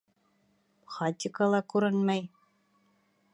Хатико ла күренмәй.